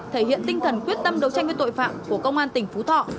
thể hiện tinh thần quyết tâm đấu tranh với tội phạm của công an tỉnh phú thọ